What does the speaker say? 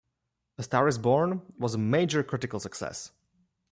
"A Star Is Born" was a major critical success.